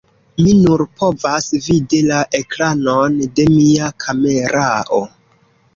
Mi nur povas vidi la ekranon de mia kamerao